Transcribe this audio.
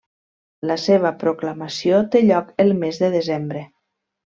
La seva proclamació té lloc el mes de desembre.